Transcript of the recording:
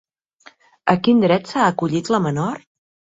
A quin dret s'ha acollit la menor?